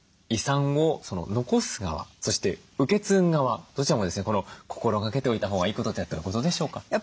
遺産を残す側そして受け継ぐ側どちらも心がけておいたほうがいいことってどういうことでしょうか？